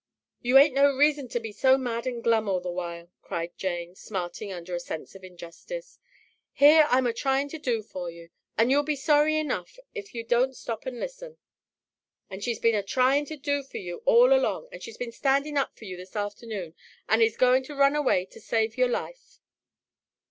"You aint no reason to be so mad and glum all the while," cried Jane, smarting under a sense of injustice. "Here I'm a tryin' to do for you, and you'll be sorry ernuff if you don't stop and listen. And she's been a tryin' to do for you all along, and she's been standin' up for you this afternoon, and is goin' to run away to save your life."